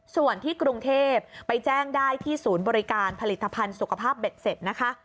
ส่วนที่กรุงเทพฯไปแจ้งได้ที่สูญบริการผลิตภัณฑ์สุขภาพเบ็ดเสพ